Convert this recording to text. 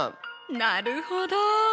なるほど。